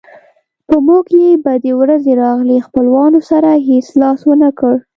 په موږ چې بدې ورځې راغلې خپلوانو راسره هېڅ لاس ونه کړ.